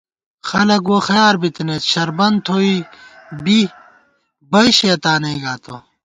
خلَک ووخَیار بِتَنَئیت شربن تھوئی بی، بئ شَیَہ تانَئ گاتہ